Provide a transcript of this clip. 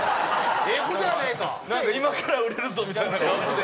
「今から売れるぞ」みたいな感じで。